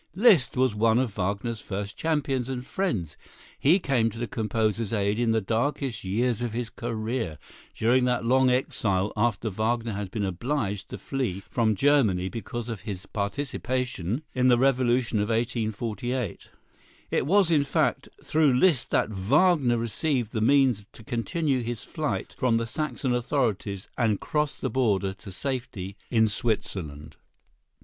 Liszt was one of Wagner's first champions and friends. He came to the composer's aid in the darkest years of his career—during that long exile after Wagner had been obliged to flee from Germany because of his participation in the revolution of 1848. It was, in fact, through Liszt that Wagner received the means to continue his flight from the Saxon authorities and cross the border to safety in Switzerland.